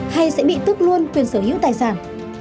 hay sẽ bị tức luôn quyền sở hữu tài sản